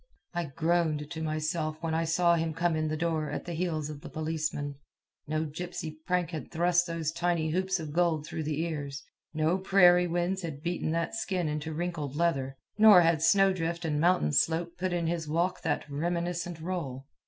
I groaned to myself when I saw him come in the door at the heels of the policeman. No gypsy prank had thrust those tiny hoops of gold through the ears; no prairie winds had beaten that skin into wrinkled leather; nor had snow drift and mountain slope put in his walk that reminiscent roll.